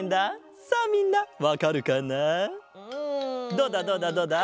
どうだどうだどうだ？